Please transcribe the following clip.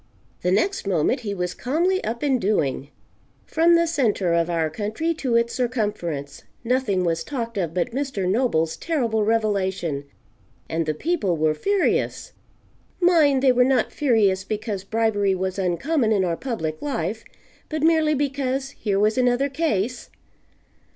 The next moment he was calmly up and doing. From the centre of our country to its circumference, nothing was talked of but Mr. Noble's terrible revelation, and the people were furious. Mind, they were not furious because bribery was uncommon in our public life, but merely because here was another case.